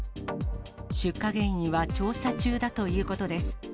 出火原因は調査中だということです。